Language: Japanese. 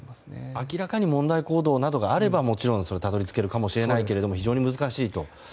明らかに問題行動などがあればもちろんたどり着けるかもしれないけども非常に難しいと。